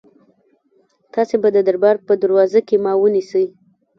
تاسي به د دربار په دروازه کې ما ونیسئ.